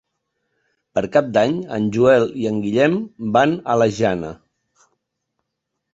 Per Cap d'Any en Joel i en Guillem van a la Jana.